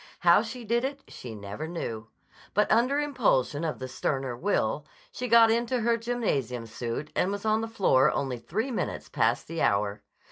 How she did it she never knew. But under impulsion of the sterner will, she got into her gymnasium suit and was on the floor only three minutes past the hour.